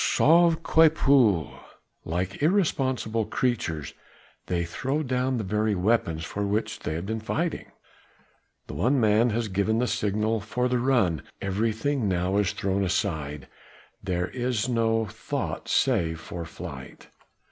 "Sauve qui peut!" Like irresponsible creatures they throw down the very weapons for which they have been fighting. The one man has given the signal for the run. Everything now is thrown aside, there is no thought save for flight.